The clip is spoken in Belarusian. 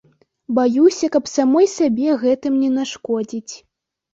Баюся, каб самой сабе гэтым не нашкодзіць.